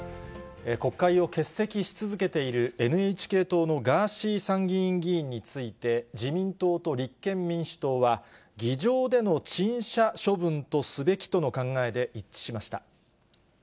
国会を欠席し続けているＮＨＫ党のガーシー参議院議員について、自民党と立憲民主党は議場での陳謝処分とすべきとの考えで一致しました。